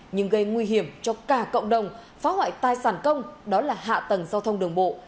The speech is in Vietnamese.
nhưng gây nguy hiểm cho cả cộng đồng phá hoại tài sản công đó là hạ tầng giao thông đường bộ